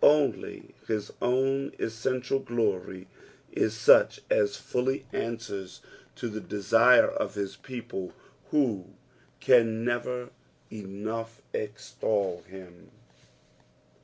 Only his own essential glory is such as fully answers to the desire of his people, who oui never enough extol him.